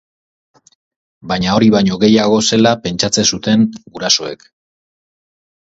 Baina hori baino gehiago zela pentsatzen zuten gurasoek.